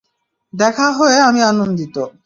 দেখা হয়ে আমি আনন্দিত।